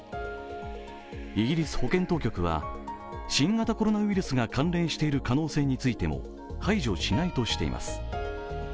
イギリス保健当局は新型コロナウイルスが関連している可能性についても排除しないとしています。